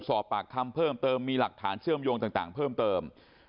สอบปากคำเพิ่มเติมมีหลักฐานเชื่อมโยงต่างเพิ่มเติม